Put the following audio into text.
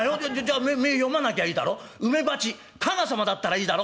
梅鉢加賀様だったらいいだろ？